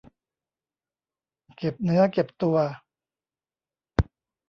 เก็บเนื้อเก็บตัว